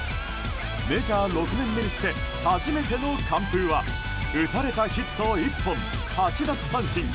メジャー６年目にして初めての完封は打たれたヒット１本、８奪三振。